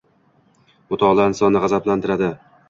Mutolaa insonni go‘zallashtiradi.